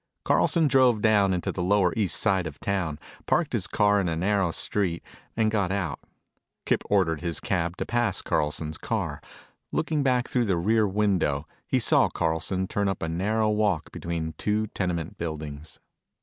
Carlson drove down into the lower east side of town, parked his car in a narrow street, and got out. Kip ordered his cab to pass Carlson's car. Looking back through the rear window, he saw Carlson turn up a narrow walk between two tenement buildings.